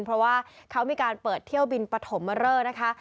เพราะว่าเขามีการเปิดเที่ยวบินปฐมเรอนะคะ